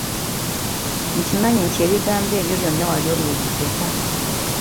Nkimanyi nti ebigambo ebyo byonna wali obiwuliddeko.